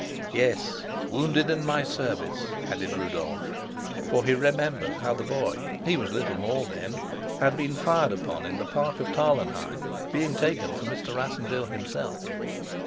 "Yes, wounded in my service," added Rudolf; for he remembered how the boy he was little more then had been fired upon in the park of Tarlenheim, being taken for Mr. Rassendyll himself.